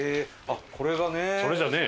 あっこれがね。